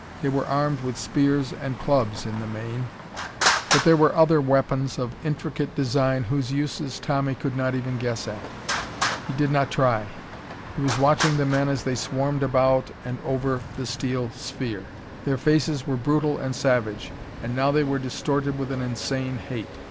They were armed with spears and clubs, in the main, but there were other weapons of intricate design whose uses Tommy could not even guess at. He did not try. He was watching the men as they swarmed about and over the steel sphere. Their faces were brutal and savage, and now they were distorted with an insane hate.